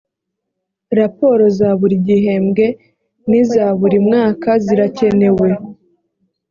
raporo za buri gihembwe n’iza buri mwaka zirakenewe